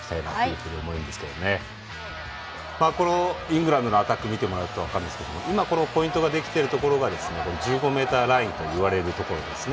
このイングランドのアタック見てもらうと分かるんですけどポイントができているところが１５ｍラインといわれるところ。